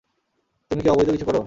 তুমি কী অবৈধ কিছু করো?